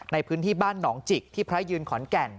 ในพื้นที่บ้านหนองจิกที่พระยืนขอนแก่น